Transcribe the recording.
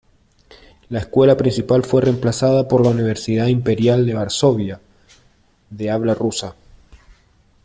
La Escuela Principal fue reemplazada por la Universidad Imperial de Varsovia, de habla rusa.